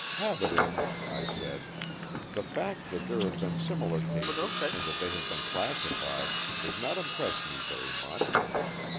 Habaden," I said, " the fact that there have been similar cases and that they have been classified, does not impress me very much.